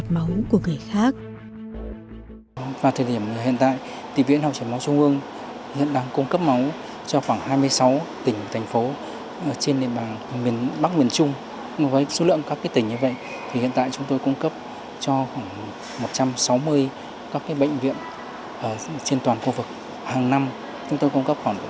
mặc dù khoa học đã và đang rất phát triển